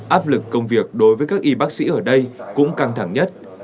áp lực công việc đối với các y bác sĩ ở đây cũng căng thẳng nhất